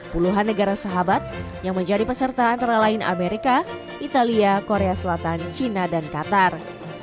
puluhan negara sahabat yang menjadi peserta antara lain amerika italia korea selatan cina dan qatar